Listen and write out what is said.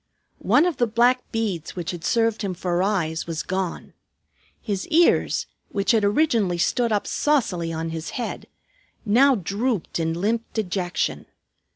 One of the black beads which had served him for eyes was gone. His ears, which had originally stood up saucily on his head, now drooped in limp dejection.